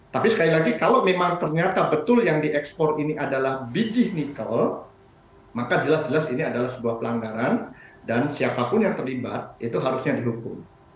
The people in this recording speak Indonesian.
tapi sekali lagi kalau memang ternyata betul yang diekspor ini adalah biji nikel maka jelas jelas ini adalah sebuah pelanggaran dan siapapun yang terlibat itu harusnya dihukum